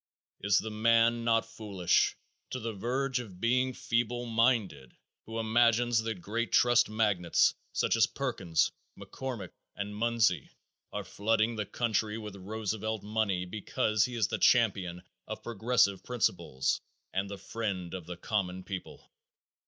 Is the man not foolish, to the verge of being feeble minded, who imagines that great trust magnates, such as Perkins, McCormick and Munsey, are flooding the country with Roosevelt money because he is the champion of progressive principles and the friend of the common people?